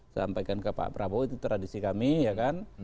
sampaikan ke pak prabowo itu tradisi kami ya kan